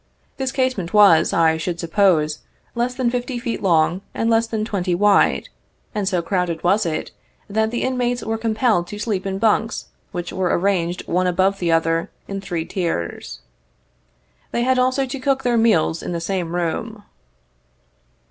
This casemate was, I should suppose, less than fifty feet long and less than twenty wide, and so crowded was it, that the inmates were compelled to sleep in bunks which were arranged one above the other, in three tiers. They had also to cook their meals in the same room.